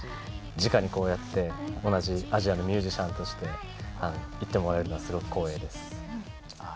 じかにこうやって同じアジアのミュージシャンとして言ってもらえるのはすごく光栄です。